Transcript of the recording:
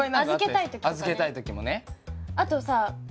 預けたい時もね。